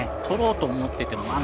とろうと思っていても。